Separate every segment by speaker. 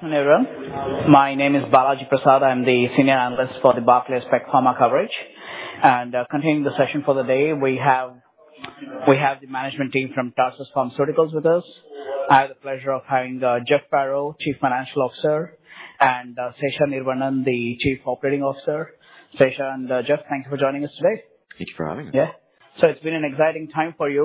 Speaker 1: Good evening. My name is Balaji Prasad. I'm the senior analyst for the Barclays Spec Pharma coverage. Continuing the session for the day, we have the management team from Tarsus Pharmaceuticals with us. I have the pleasure of having Jeff Farrow, Chief Financial Officer, and Sesha Neervannan, the Chief Operating Officer. Sesha, Jeff, thank you for joining us today.
Speaker 2: Thank you for having me.
Speaker 1: Yeah. So it's been an exciting time for you.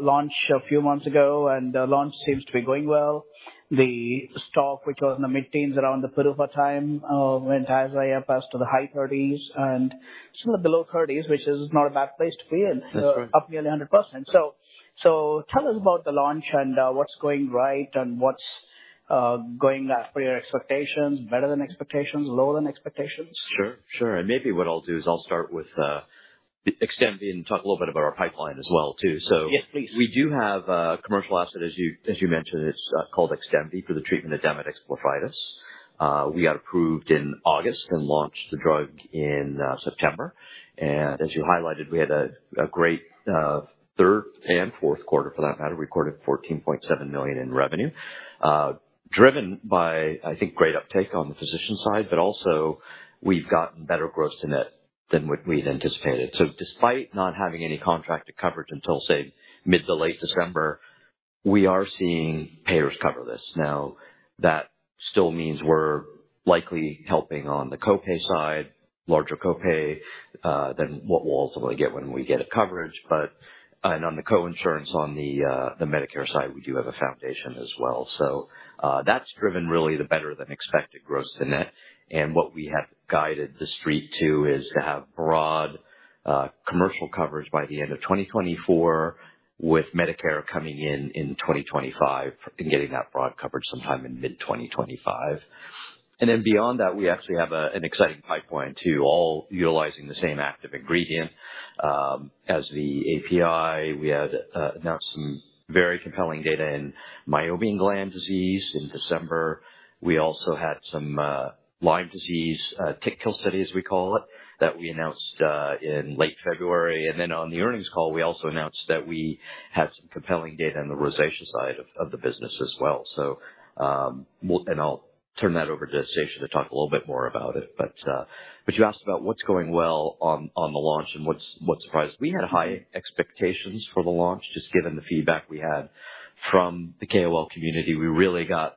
Speaker 1: Launched a few months ago, and the launch seems to be going well. The stock, which was in the mid-teens around the PDUFA time, went as high up as to the high 30s and some of the low 30s, which is not a bad place to be in.
Speaker 2: That's right.
Speaker 1: Up nearly 100%. So tell us about the launch and what's going right and what's going after your expectations, better than expectations, lower than expectations?
Speaker 2: Sure. Sure. And maybe what I'll do is I'll start with XDEMVY and talk a little bit about our pipeline as well too. So.
Speaker 1: Yes, please.
Speaker 2: We do have a commercial asset, as you mentioned. It's called XDEMVY for the treatment of Demodex blepharitis. We got approved in August and launched the drug in September. As you highlighted, we had a great third and fourth quarter, for that matter, recorded $14.7 million in revenue, driven by, I think, great uptake on the physician side. But also, we've gotten better gross to net than what we had anticipated. So despite not having any contracted coverage until, say, mid to late December, we are seeing payers cover this. Now, that still means we're likely helping on the copay side, larger copay than what we'll ultimately get when we get coverage. On the co-insurance on the Medicare side, we do have a foundation as well. So that's driven, really, the better-than-expected gross to net. What we have guided the street to is to have broad commercial coverage by the end of 2024, with Medicare coming in in 2025 and getting that broad coverage sometime in mid-2025. And then beyond that, we actually have an exciting pipeline too, all utilizing the same active ingredient as the API. We announced some very compelling data in Meibomian gland disease in December. We also had some Lyme disease tick kill study, as we call it, that we announced in late February. And then on the earnings call, we also announced that we had some compelling data on the rosacea side of the business as well. And I'll turn that over to Seshadri to talk a little bit more about it. But you asked about what's going well on the launch and what surprised us. We had high expectations for the launch, just given the feedback we had from the KOL community. We really got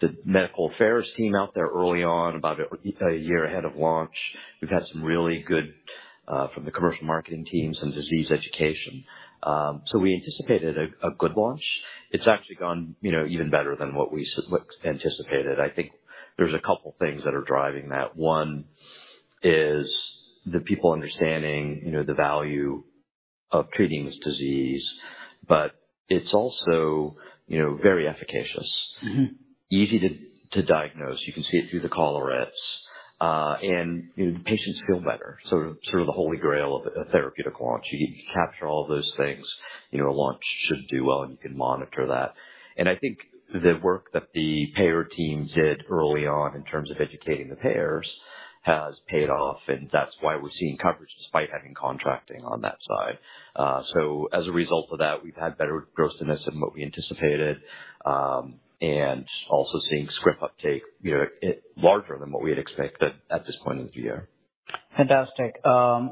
Speaker 2: the medical affairs team out there early on, about a year ahead of launch. We've had some really good from the commercial marketing teams and disease education. So we anticipated a good launch. It's actually gone even better than what we anticipated. I think there's a couple of things that are driving that. One is the people understanding the value of treating this disease. But it's also very efficacious, easy to diagnose. You can see it through the collarettes. And patients feel better. So sort of the holy grail of a therapeutic launch. You capture all of those things. A launch should do well, and you can monitor that. And I think the work that the payer team did early on in terms of educating the payers has paid off. That's why we're seeing coverage despite having contracting on that side. As a result of that, we've had better Gross to net than what we anticipated, and also seeing script uptake larger than what we had expected at this point in the year.
Speaker 1: Fantastic.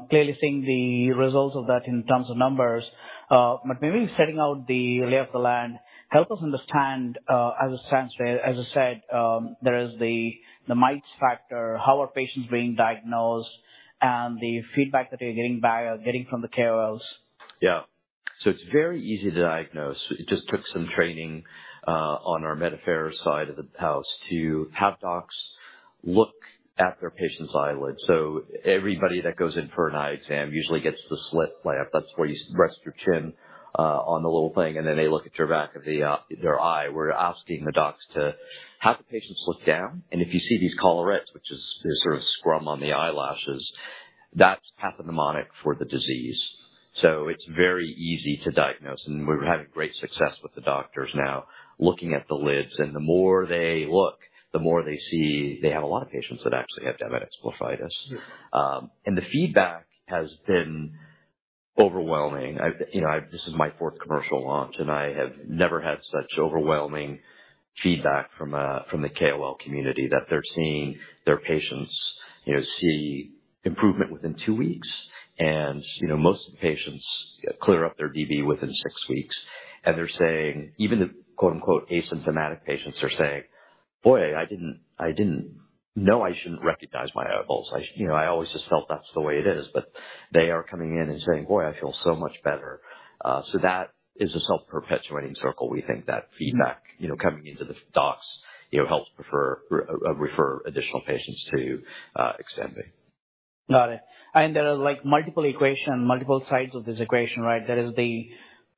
Speaker 1: Clearly seeing the results of that in terms of numbers. But maybe setting out the lay of the land, help us understand, as it stands there, as you said, there is the mite factor, how are patients being diagnosed, and the feedback that you're getting from the KOLs.
Speaker 2: Yeah. So it's very easy to diagnose. It just took some training on our med affairs side of the house to have docs look at their patient's eyelid. So everybody that goes in for an eye exam usually gets the slit lamp. That's where you rest your chin on the little thing, and then they look at the back of their eye. We're asking the docs to have the patients look down. And if you see these collarettes, which is sort of scum on the eyelashes, that's pathognomonic for the disease. So it's very easy to diagnose. And we're having great success with the doctors now looking at the lids. And the more they look, the more they see they have a lot of patients that actually have Demodex blepharitis. And the feedback has been overwhelming. This is my 4th commercial launch, and I have never had such overwhelming feedback from the KOL community that they're seeing their patients see improvement within 2 weeks. Most of the patients clear up their DB within 6 weeks. They're saying even the "asymptomatic" patients are saying, "Boy, I didn't know I shouldn't recognize my eyeballs. I always just felt that's the way it is." But they are coming in and saying, "Boy, I feel so much better." So that is a self-perpetuating circle, we think, that feedback coming into the docs helps refer additional patients to XDEMVY.
Speaker 1: Got it. And there are multiple equations, multiple sides of this equation, right? There is the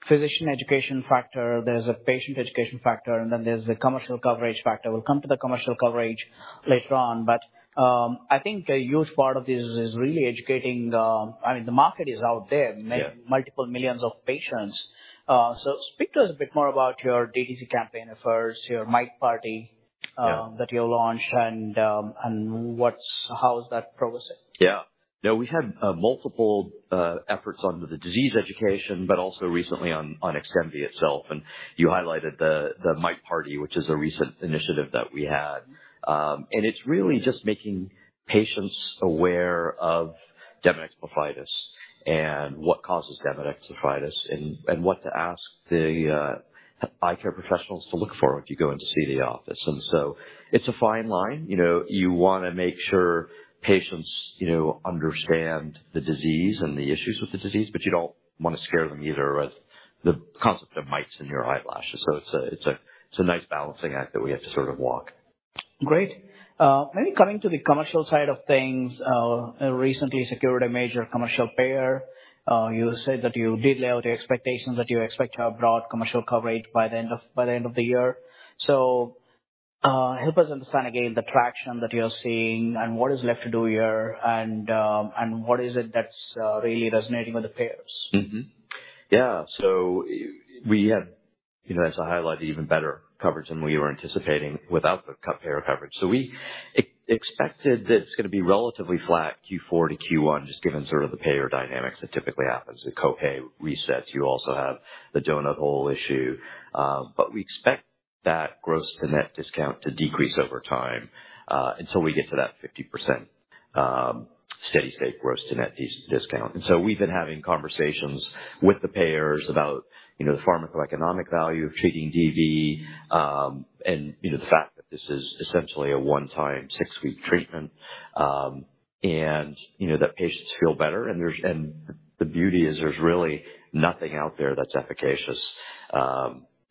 Speaker 1: physician education factor. There is a patient education factor. And then there's the commercial coverage factor. We'll come to the commercial coverage later on. But I think a huge part of this is really educating I mean, the market is out there, multiple millions of patients. So speak to us a bit more about your DTC campaign efforts, your Mite Party that you've launched, and how is that progressing?
Speaker 2: Yeah. No, we've had multiple efforts on the disease education, but also recently on XDEMVY itself. And you highlighted the Mite Party, which is a recent initiative that we had. And it's really just making patients aware of Demodex blepharitis and what causes Demodex blepharitis and what to ask the eye care professionals to look for if you go in to see the office. And so it's a fine line. You want to make sure patients understand the disease and the issues with the disease, but you don't want to scare them either with the concept of mites in your eyelashes. So it's a nice balancing act that we have to sort of walk.
Speaker 1: Great. Maybe coming to the commercial side of things, recently secured a major commercial payer. You said that you did lay out your expectations, that you expect to have broad commercial coverage by the end of the year. So help us understand, again, the traction that you're seeing and what is left to do here and what is it that's really resonating with the payers?
Speaker 2: Yeah. So we had, as I highlighted, even better coverage than we were anticipating without the payer coverage. So we expected that it's going to be relatively flat Q4 to Q1, just given sort of the payer dynamics that typically happens. The copay resets. You also have the donut hole issue. But we expect that gross to net discount to decrease over time until we get to that 50% steady-state gross to net discount. And so we've been having conversations with the payers about the pharmacoeconomic value of treating DB and the fact that this is essentially a one-time, six-week treatment and that patients feel better. And the beauty is there's really nothing out there that's efficacious.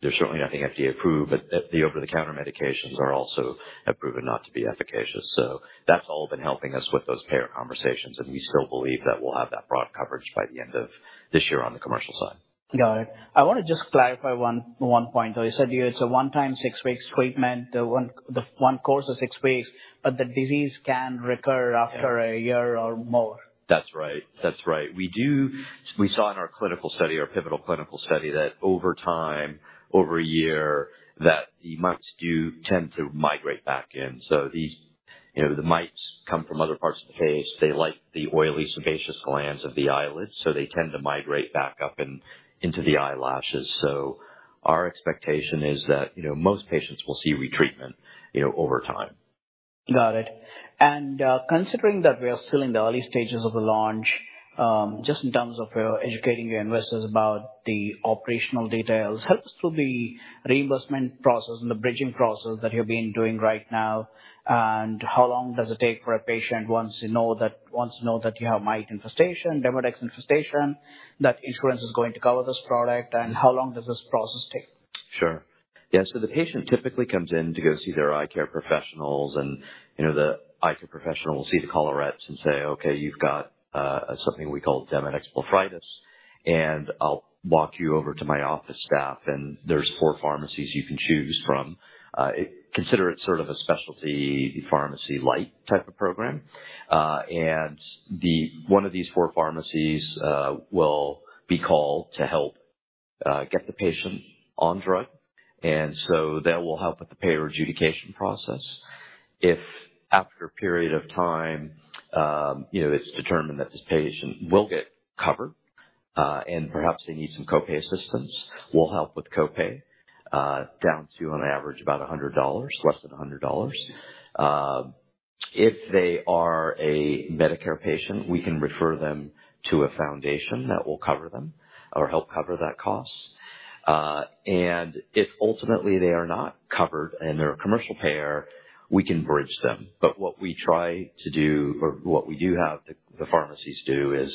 Speaker 2: There's certainly nothing FDA-approved, but the over-the-counter medications are also proven not to be efficacious. So that's all been helping us with those payer conversations. We still believe that we'll have that broad coverage by the end of this year on the commercial side.
Speaker 1: Got it. I want to just clarify one point. You said it's a one-time, six-week treatment, the one course of six weeks, but the disease can recur after a year or more.
Speaker 2: That's right. That's right. We saw in our clinical study, our pivotal clinical study, that over time, over a year, that the mites do tend to migrate back in. So the mites come from other parts of the face. They like the oily, sebaceous glands of the eyelids, so they tend to migrate back up into the eyelashes. So our expectation is that most patients will see retreatment over time.
Speaker 1: Got it. And considering that we are still in the early stages of the launch, just in terms of educating your investors about the operational details, help us through the reimbursement process and the bridging process that you've been doing right now. And how long does it take for a patient once you know that you have mite infestation, Demodex infestation, that insurance is going to cover this product? And how long does this process take?
Speaker 2: Sure. Yeah. So the patient typically comes in to go see their eye care professionals. And the eye care professional will see the collarettes and say, "Okay, you've got something we call Demodex blepharitis. And I'll walk you over to my office staff. And there's four pharmacies you can choose from." Consider it sort of a specialty pharmacy-light type of program. One of these four pharmacies will be called to help get the patient on drug. So that will help with the payer adjudication process. If after a period of time it's determined that this patient will get covered and perhaps they need some copay assistance, we'll help with copay down to, on average, about $100, less than $100. If they are a Medicare patient, we can refer them to a foundation that will cover them or help cover that cost. And if ultimately they are not covered and they're a commercial payer, we can bridge them. But what we try to do or what we do have the pharmacies do is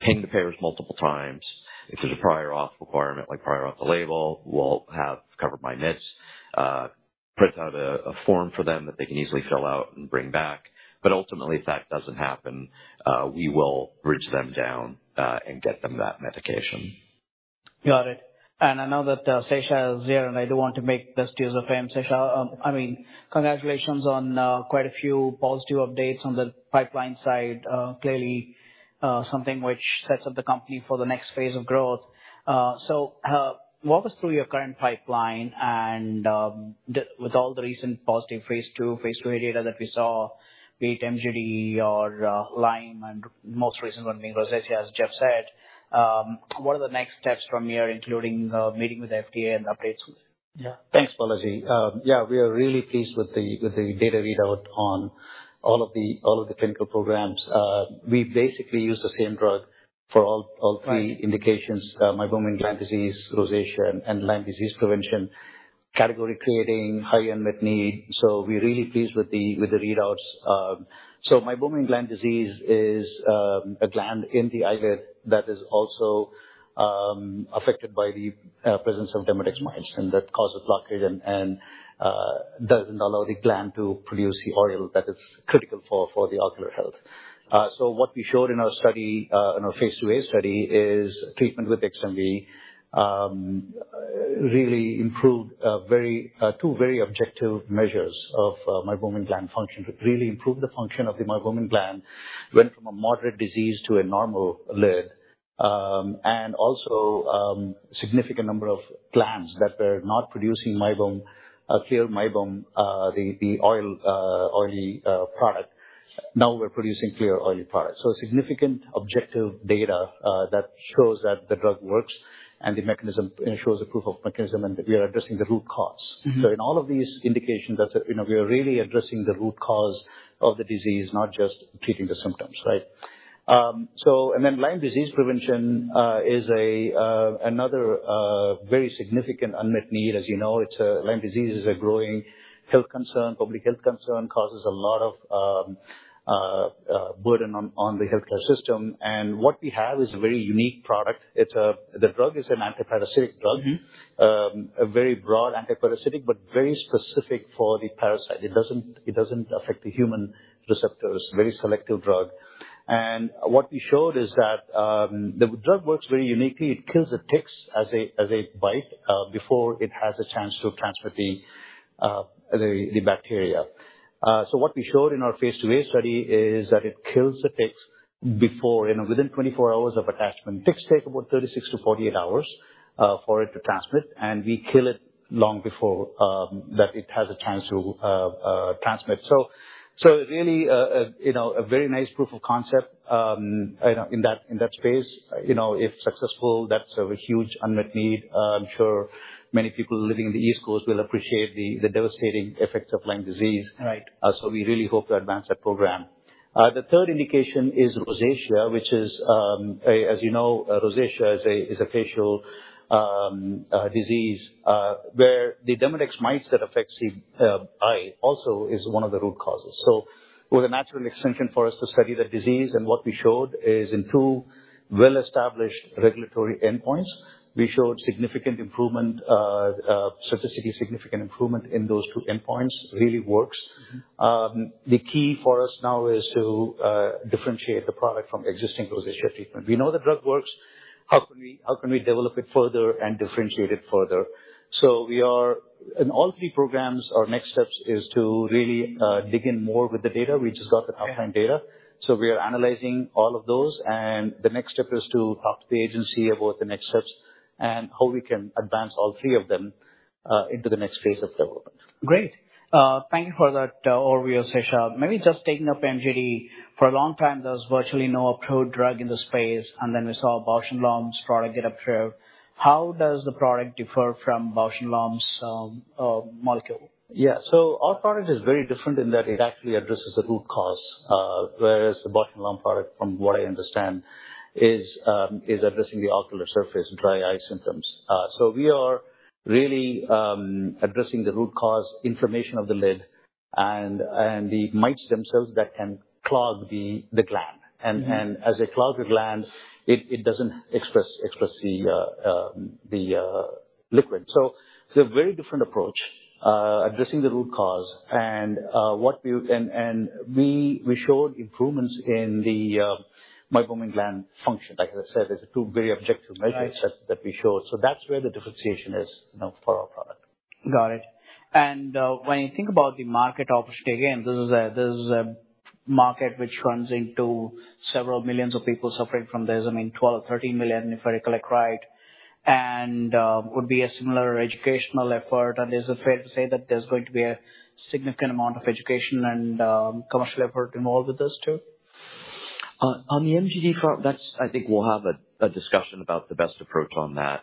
Speaker 2: ping the payers multiple times. If there's a prior auth requirement, like prior auth the label, we'll have CoverMyMeds print out a form for them that they can easily fill out and bring back. But ultimately, if that doesn't happen, we will bridge them down and get them that medication.
Speaker 1: Got it. I know that Seshadri is here, and I do want to make best use of him. Seshadri, I mean, congratulations on quite a few positive updates on the pipeline side, clearly something which sets up the company for the next phase of growth. Walk us through your current pipeline. With all the recent positive phase 2, phase 3 data that we saw, be it MGD or Lyme and most recent one being rosacea, as Jeff said, what are the next steps from here, including meeting with the FDA and updates?
Speaker 3: Yeah. Thanks, Balaji. Yeah, we are really pleased with the data readout on all of the clinical programs. We basically use the same drug for all three indications: Meibomian gland disease, rosacea, and Lyme disease prevention, category creating, high unmet need. So we're really pleased with the readouts. So Meibomian gland disease is a gland in the eyelid that is also affected by the presence of Demodex mites, and that causes blockage and doesn't allow the gland to produce the oil that is critical for the ocular health. So what we showed in our study, in our phase 2a study, is treatment with XDEMVY really improved two very objective measures of Meibomian gland function. It really improved the function of the meibomian gland, went from a moderate disease to a normal lid, and also a significant number of glands that were not producing clear meibomian, the oily product, now we're producing clear oily product. So significant objective data that shows that the drug works and the mechanism shows a proof of mechanism, and we are addressing the root cause. So in all of these indications, we are really addressing the root cause of the disease, not just treating the symptoms, right? And then Lyme disease prevention is another very significant unmet need. As you know, Lyme disease is a growing health concern, public health concern, causes a lot of burden on the healthcare system. And what we have is a very unique product. The drug is an antiparasitic drug, a very broad antiparasitic but very specific for the parasite. It doesn't affect the human receptors, very selective drug. And what we showed is that the drug works very uniquely. It kills the ticks as a bite before it has a chance to transmit the bacteria. So what we showed in our phase 2A study is that it kills the ticks within 24 hours of attachment. Ticks take about 36-48 hours for it to transmit, and we kill it long before that it has a chance to transmit. So really a very nice proof of concept in that space. If successful, that's a huge unmet need. I'm sure many people living in the East Coast will appreciate the devastating effects of Lyme disease. So we really hope to advance that program. The third indication is rosacea, which is, as you know, rosacea is a facial disease where the Demodex mites that affect the eye also is one of the root causes. So it was a natural extension for us to study the disease. And what we showed is in two well-established regulatory endpoints, we showed significant improvement, statistically significant improvement in those two endpoints. It really works. The key for us now is to differentiate the product from existing rosacea treatment. We know the drug works. How can we develop it further and differentiate it further? So in all three programs, our next steps is to really dig in more with the data. We just got the top-line data. So we are analyzing all of those. The next step is to talk to the agency about the next steps and how we can advance all three of them into the next phase of development.
Speaker 1: Great. Thank you for that overview, Seshadri. Maybe just taking up MGD, for a long time, there was virtually no approved drug in the space. And then we saw Bausch & Lomb's product get approved. How does the product differ from Bausch & Lomb's molecule?
Speaker 3: Yeah. So our product is very different in that it actually addresses the root cause, whereas the Bausch & Lomb product, from what I understand, is addressing the ocular surface, dry eye symptoms. So we are really addressing the root cause, inflammation of the lid, and the mites themselves that can clog the gland. And as they clog the gland, it doesn't express the liquid. So it's a very different approach, addressing the root cause. And we showed improvements in the meibomian gland function. Like I said, there's two very objective measures that we showed. So that's where the differentiation is for our product.
Speaker 1: Got it. When you think about the market opportunity, again, this is a market which runs into several millions of people suffering from this, I mean, 12 or 13 million, if I recollect right, and would be a similar educational effort. Is it fair to say that there's going to be a significant amount of education and commercial effort involved with this too?
Speaker 2: On the MGD front, I think we'll have a discussion about the best approach on that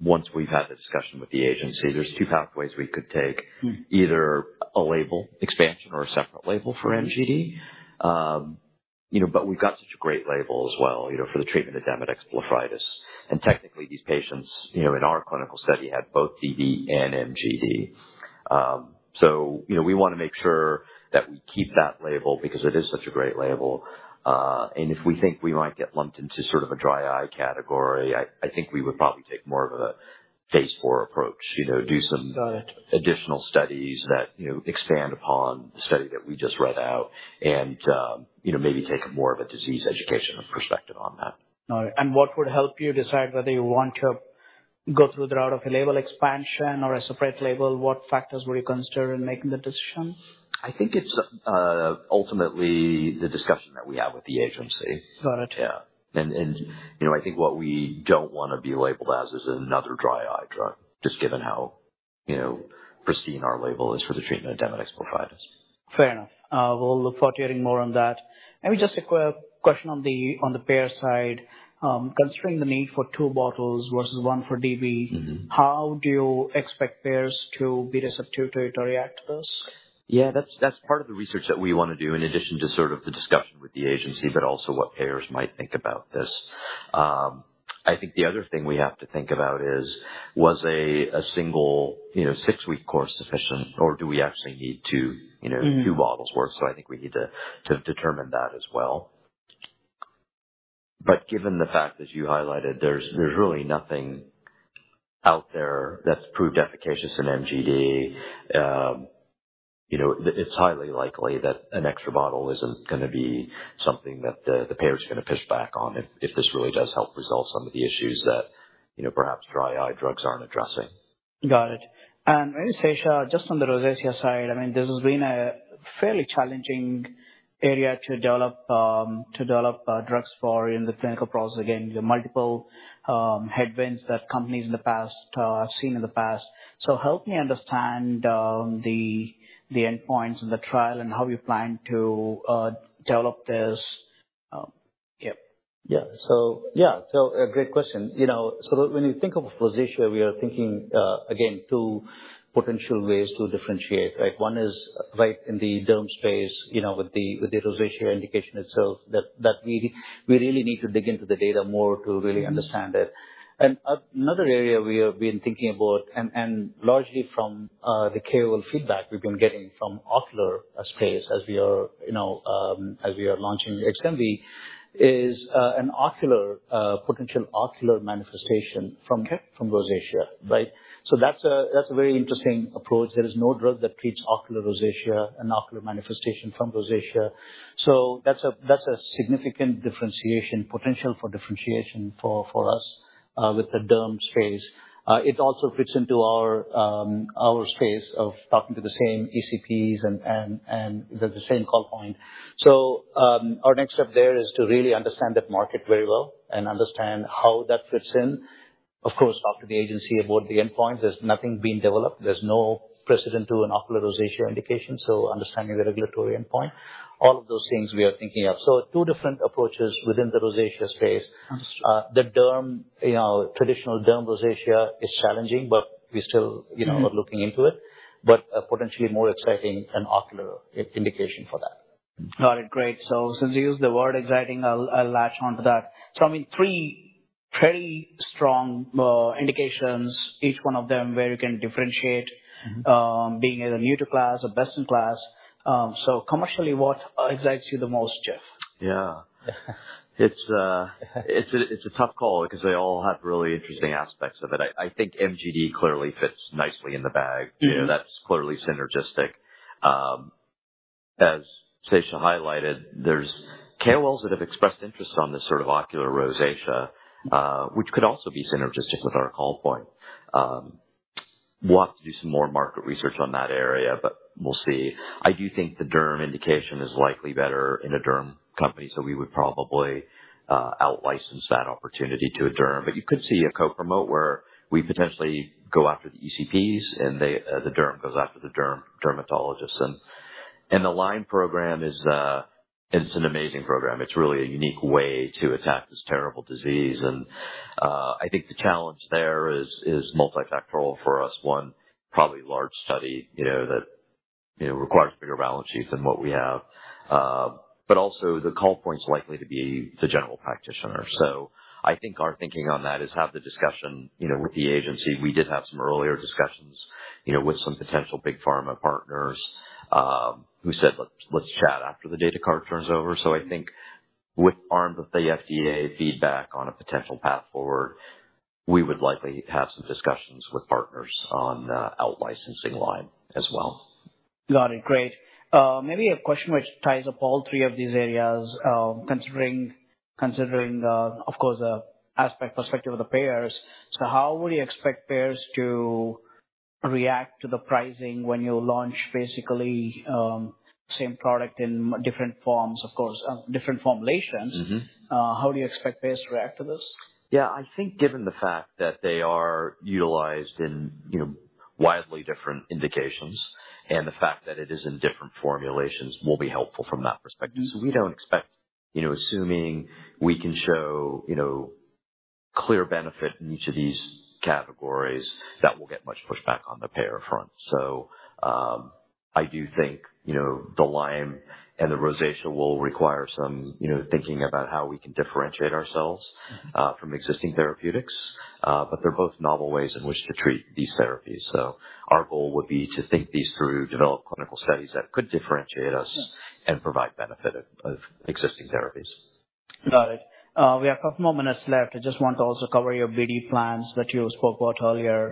Speaker 2: once we've had the discussion with the agency. There's two pathways we could take, either a label expansion or a separate label for MGD. But we've got such a great label as well for the treatment of Demodex blepharitis. And technically, these patients in our clinical study had both DB and MGD. So we want to make sure that we keep that label because it is such a great label. And if we think we might get lumped into sort of a dry eye category, I think we would probably take more of a phase four approach, do some additional studies that expand upon the study that we just read out, and maybe take more of a disease education perspective on that.
Speaker 1: Got it. And what would help you decide whether you want to go through the route of a label expansion or a separate label? What factors would you consider in making the decision?
Speaker 2: I think it's ultimately the discussion that we have with the agency. Yeah. And I think what we don't want to be labeled as is another dry eye drug, just given how pristine our label is for the treatment of Demodex blepharitis.
Speaker 1: Fair enough. We'll look forward to hearing more on that. Maybe just a question on the payer side. Considering the need for two bottles versus one for DB, how do you expect payers to be receptive to it or react to this?
Speaker 2: Yeah, that's part of the research that we want to do, in addition to sort of the discussion with the agency, but also what payers might think about this. I think the other thing we have to think about is, was a single six-week course sufficient, or do we actually need two bottles' worth? So I think we need to determine that as well. But given the fact, as you highlighted, there's really nothing out there that's proved efficacious in MGD. It's highly likely that an extra bottle isn't going to be something that the payer is going to push back on if this really does help resolve some of the issues that perhaps dry eye drugs aren't addressing.
Speaker 1: Got it. And maybe, Seshadri, just on the rosacea side, I mean, this has been a fairly challenging area to develop drugs for in the clinical process. Again, multiple headwinds that companies in the past have seen in the past. So help me understand the endpoints in the trial and how you plan to develop this. Yep.
Speaker 3: Yeah. So yeah, so a great question. So when you think of rosacea, we are thinking, again, two potential ways to differentiate, right? One is right in the derm space with the rosacea indication itself, that we really need to dig into the data more to really understand it. And another area we have been thinking about, and largely from the KOL feedback we've been getting from ocular space as we are launching XDEMVY, is a potential ocular manifestation from rosacea, right? So that's a very interesting approach. There is no drug that treats ocular rosacea, an ocular manifestation from rosacea. So that's a significant potential for differentiation for us with the derm space. It also fits into our space of talking to the same ECPs and the same call point. So our next step there is to really understand that market very well and understand how that fits in. Of course, talk to the agency about the endpoints. There's nothing being developed. There's no precedent to an ocular rosacea indication. So understanding the regulatory endpoint, all of those things we are thinking of. So two different approaches within the rosacea space. The traditional derm rosacea is challenging, but we still are looking into it. But potentially more exciting an ocular indication for that.
Speaker 1: Got it. Great. So since you used the word exciting, I'll latch onto that. So I mean, three very strong indications, each one of them where you can differentiate being either new to class or best in class. So commercially, what excites you the most, Jeff?
Speaker 2: Yeah. It's a tough call because they all have really interesting aspects of it. I think MGD clearly fits nicely in the bag. That's clearly synergistic. As Seshadri highlighted, there's KOLs that have expressed interest on this sort of ocular rosacea, which could also be synergistic with our call point. We'll have to do some more market research on that area, but we'll see. I do think the derm indication is likely better in a derm company, so we would probably outlicense that opportunity to a derm. But you could see a co-promote where we potentially go after the ECPs, and the derm goes after the dermatologists. And the Lyme program is an amazing program. It's really a unique way to attack this terrible disease. And I think the challenge there is multifactorial for us. One, probably large study that requires bigger balance sheets than what we have. Also, the call point's likely to be the general practitioner. I think our thinking on that is have the discussion with the agency. We did have some earlier discussions with some potential big pharma partners who said, "Let's chat after the data readout turns over." So I think, once we have the FDA feedback on a potential path forward, we would likely have some discussions with partners on outlicensing Lyme as well.
Speaker 1: Got it. Great. Maybe a question which ties up all three of these areas, considering, of course, the aspect perspective of the payers. So how would you expect payers to react to the pricing when you launch basically the same product in different forms, of course, different formulations? How do you expect payers to react to this?
Speaker 2: Yeah. I think given the fact that they are utilized in widely different indications and the fact that it is in different formulations will be helpful from that perspective. So we don't expect assuming we can show clear benefit in each of these categories, that we'll get much pushback on the payer front. So I do think the Lyme and the rosacea will require some thinking about how we can differentiate ourselves from existing therapeutics. But they're both novel ways in which to treat these therapies. So our goal would be to think these through, develop clinical studies that could differentiate us and provide benefit of existing therapies.
Speaker 1: Got it. We have a couple more minutes left. I just want to also cover your BD plans that you spoke about earlier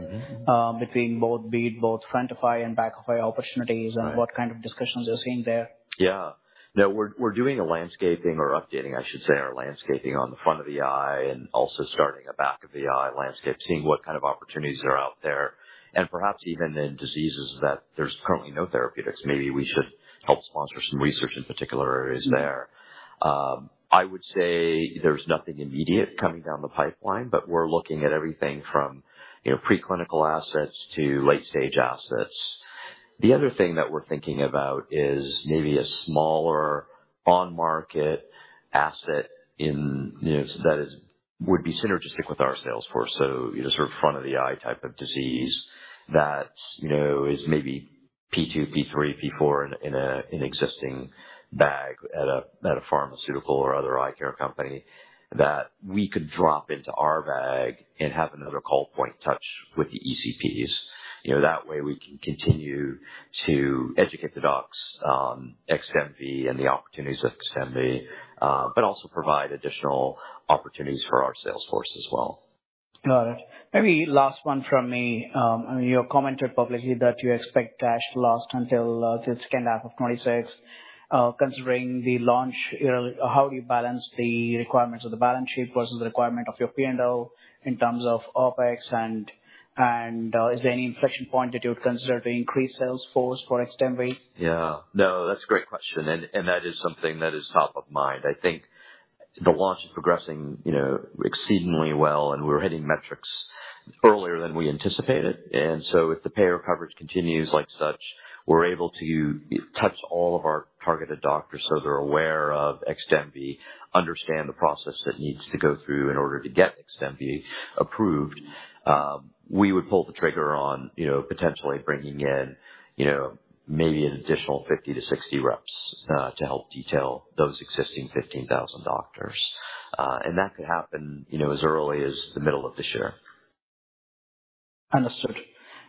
Speaker 1: between both BD, both front-end and back-end opportunities and what kind of discussions you're seeing there.
Speaker 2: Yeah. No, we're doing a landscape or updating, I should say, our landscape on the front of the eye and also starting a back-of-the-eye landscape, seeing what kind of opportunities are out there. And perhaps even in diseases that there's currently no therapeutics, maybe we should help sponsor some research in particular areas there. I would say there's nothing immediate coming down the pipeline, but we're looking at everything from preclinical assets to late-stage assets. The other thing that we're thinking about is maybe a smaller on-market asset that would be synergistic with our sales force, so sort of front-of-the-eye type of disease that is maybe P2, P3, P4 in an existing bag at a pharmaceutical or other eye care company that we could drop into our bag and have another call point touch with the ECPs. That way, we can continue to educate the docs on XDEMVY and the opportunities of XDEMVY, but also provide additional opportunities for our sales force as well.
Speaker 1: Got it. Maybe last one from me. I mean, you commented publicly that you expect cash to last until the second half of 2026. Considering the launch year, how do you balance the requirements of the balance sheet versus the requirement of your P&L in terms of OpEx? And is there any inflection point that you would consider to increase sales force for XDEMVY?
Speaker 2: Yeah. No, that's a great question. That is something that is top of mind. I think the launch is progressing exceedingly well, and we're hitting metrics earlier than we anticipated. So if the payer coverage continues like such, we're able to touch all of our targeted doctors so they're aware of XDEMVY, understand the process that needs to go through in order to get XDEMVY approved. We would pull the trigger on potentially bringing in maybe an additional 50-60 reps to help detail those existing 15,000 doctors. That could happen as early as the middle of this year.
Speaker 1: Understood.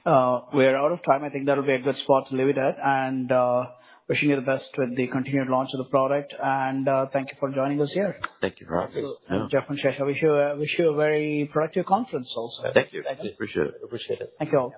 Speaker 1: We are out of time. I think that'll be a good spot to leave it at. Wishing you the best with the continued launch of the product. Thank you for joining us here.
Speaker 2: Thank you for having me.
Speaker 1: So, Jeff and Seshadri, I wish you a very productive conference also.
Speaker 2: Thank you. I appreciate it.
Speaker 3: I appreciate it.
Speaker 1: Thank you.